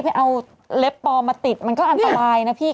ไปเอาเล็บปลอมมาติดมันก็อันตรายนะพี่